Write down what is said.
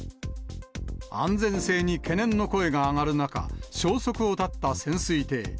安全性に懸念の声が上がる中、消息を絶った潜水艇。